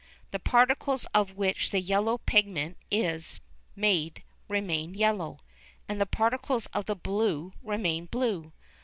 The particles of which the yellow pigment is made remain yellow, and the particles of blue remain blue.